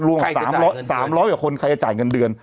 รวมกับสามร้อยสามร้อยกว่าคนใครจะจ่ายเงินเดือน